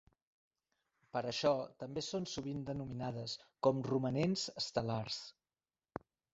Per això també són sovint denominades com romanents estel·lars.